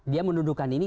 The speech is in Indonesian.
dia menuduhkan ini